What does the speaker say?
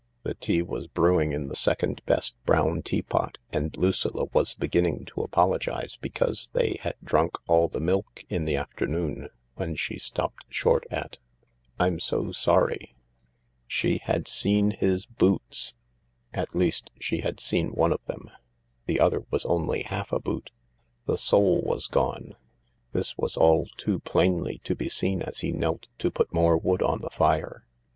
The tea was brewing in the second best brown tea pot, and Lucilla wasbeginning to apologise because they had drunk all the milk in the afternoon, when she stopped short at :" Fm so sorry ..." She had seen his boots. At least, she had seen one of them. The other was only half a boot. The sole was gone. This was all too plainly to be seen as he knelt to put more wood on the fire.